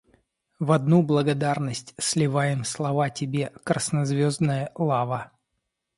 В одну благодарность сливаем слова тебе, краснозвездная лава.